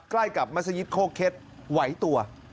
ใกล้กับมัศยิทธิ์โฆเคสไหวตัว